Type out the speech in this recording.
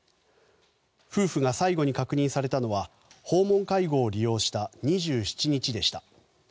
夫婦が最後に確認されたのは訪問介護を利用した２７日でした。